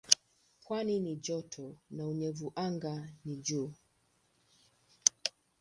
Pwani ni joto na unyevu anga ni juu.